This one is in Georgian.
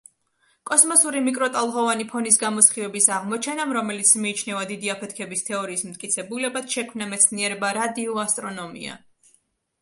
კოსმოსური მიკროტალღოვანი ფონის გამოსხივების აღმოჩენამ, რომელიც მიიჩნევა დიდი აფეთქების თეორიის მტკიცებულებად შექმნა მეცნიერება რადიოასტრონომია.